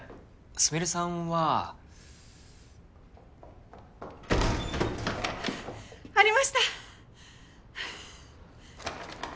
スミレさんはありました！